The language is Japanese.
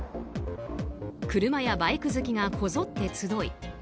車やバイク好きがこぞって集い